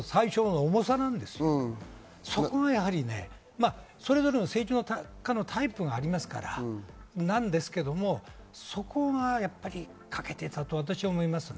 そこがやはりそれぞれ政治家のタイプがあるからなんですが、そこがやっぱり欠けていたと私は思いますね。